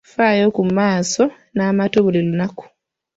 Faayo ku maaso n’amatu buli lunaku.